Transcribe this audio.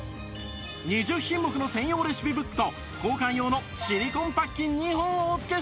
２０品目の専用レシピブックと交換用のシリコンパッキン２本をお付けしてお届け！